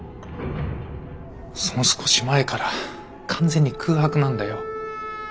その少し前から完全に空白なんだよ。